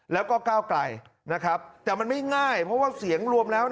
แล้วก็ก้าวไกลนะครับแต่มันไม่ง่ายเพราะว่าเสียงรวมแล้ว